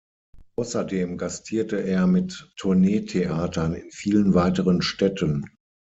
Außerdem gastierte er mit Tourneetheatern in vielen weiteren Städten.